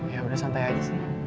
ya udah santai aja sih